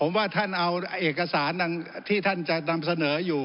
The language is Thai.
ผมว่าท่านเอาเอกสารที่ท่านจะนำเสนออยู่